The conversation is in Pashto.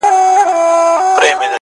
بدل کړيدی,